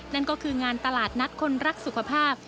นั่นก็คืองานตลาดนัดคนรักสุขภาพ